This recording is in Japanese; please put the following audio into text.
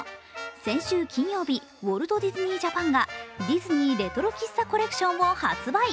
先週金曜日、ウォルト・ディズニー・ジャパンがディズニーレトロ喫茶コレクションを発売。